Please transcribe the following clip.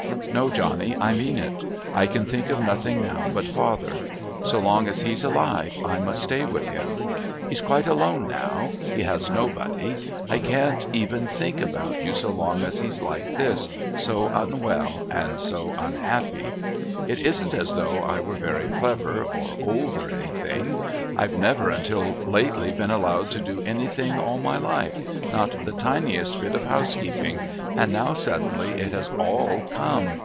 "No, Johnny, I mean it, I can think of nothing now but father. So long as he's alive I must stay with him. He's quite alone now, he has nobody. I can't even think about you so long as he's like this, so unwell and so unhappy. It isn't as though I were very clever or old or anything. I've never until lately been allowed to do anything all my life, not the tiniest bit of housekeeping, and now suddenly it has all come.